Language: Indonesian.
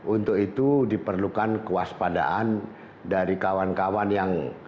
untuk itu diperlukan kewaspadaan dari kawan kawan yang